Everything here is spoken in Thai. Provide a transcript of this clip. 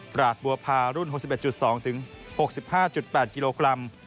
ราชบัวพารุ่น๖๑๒๖๕๘กิโลกรัม